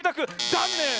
ざんねん！